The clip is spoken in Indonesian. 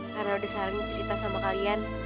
karena udah selalu mencerita sama kalian